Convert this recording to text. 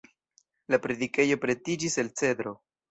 La predikejo pretiĝis el cedro.